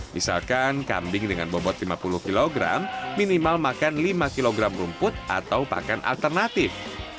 misalkan kambing dengan bobot lima puluh kg minimal makan lima kg rumput atau pakan alternatif